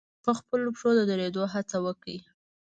په خپلو پښو د درېدو هڅه وکړي.